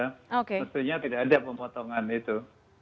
mestinya tidak ada pemotongan itu